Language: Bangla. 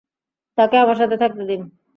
তাকে আমার সাথে থাকতে দিন।